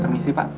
terima kasih pak